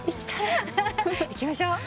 行きましょう。